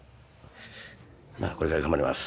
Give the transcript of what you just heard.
まあこれから頑張ります。